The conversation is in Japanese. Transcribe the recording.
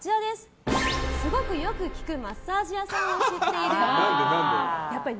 すごくよく効くマッサージ屋さんを知っているっぽい。